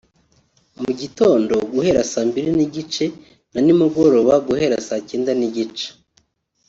mu gitondo guhera saa mbili n’igice na nimugoroba guhera saa cyenda n’igice